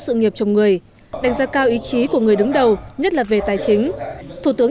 sự nghiệp chồng người đánh giá cao ý chí của người đứng đầu nhất là về tài chính thủ tướng